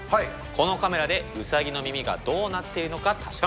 このカメラでウサギの耳がどうなっているのか確かめてください。